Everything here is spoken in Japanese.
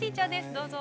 どうぞ。